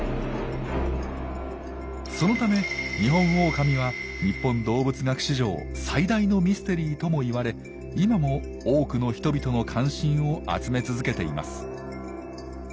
そのためニホンオオカミは日本動物学史上最大のミステリーともいわれ今も多くの人々の関心を集め続けています。